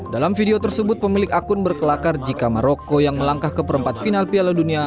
dalam video tersebut pemilik akun berkelakar jika maroko yang melangkah ke perempat final piala dunia